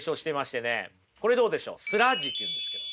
これどうでしょうスラッジっていうんですけど。